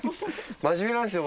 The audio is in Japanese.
真面目なんですよ